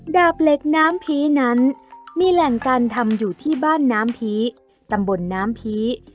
ดาบเหล็กน้ำผีนั้นมีแหล่งการทำอยู่ที่บ้านน้ำผีตำบลน้ำผี